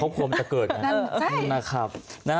เขาควรมันจะเกิดนะนั่นใช่นะครับ